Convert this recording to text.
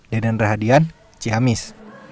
denan rahadian cihamis